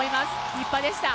立派でした。